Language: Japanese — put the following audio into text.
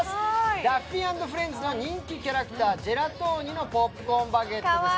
ダッフィー＆フレンズの人気キャラクター、ジェラトーニのポップコーンバケットです。